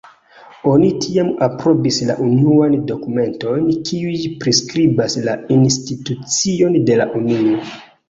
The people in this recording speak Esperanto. Oni tiam aprobis la unuajn dokumentojn kiuj priskribas la instituciojn de la Unio.